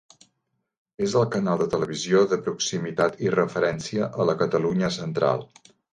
És el canal de televisió de proximitat i referència a la Catalunya Central.